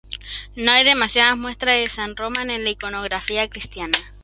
No hay demasiadas muestras de San Román en la iconografía cristiana.